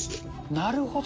なるほど。